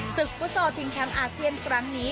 ศึกพุทธศอล์ชิงแชมป์อาเซียนครั้งนี้